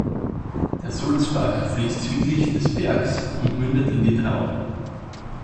Der Sulzbach fließt südlich des Bergs und mündet in die Traun.